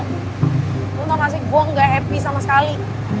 lo tau gak sih gue gak happy sama sekali